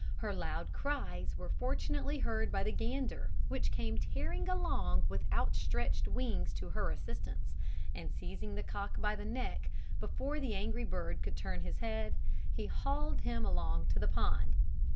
Her loud cries were fortunately heard by the gander, which came tearing along with outstretched wings to her assistance, and seizing the cock by the neck, before the angry bird could turn his head, he hauled him along to the pond.